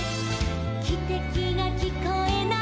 「きてきがきこえない」